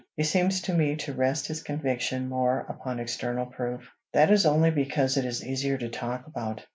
"He seems to me to rest his conviction more upon external proof." "That is only because it is easier to talk about.